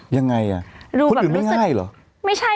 ยังไงอ่ะคนอื่นไม่ง่ายเหรอ